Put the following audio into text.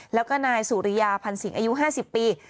แล้วก็นายสุริยาพันธ์สิงอายุ๕๐ปี